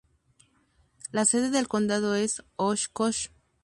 La sede del condado es Oshkosh.